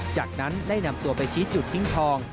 จากนั้นได้นำตัวไปชี้จุดทิ้งทอง